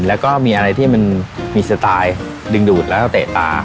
แล้วก็มีอะไรที่มันมีสไตล์ดึงดูดแล้วก็เตะตา